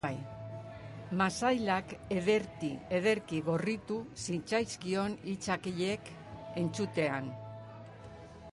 Masailak ederki gorritu zitzaizkion hitz haiek entzutean.